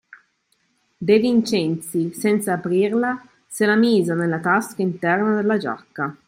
De Vincenzi, senza aprirla, se la mise nella tasca interna della giacca.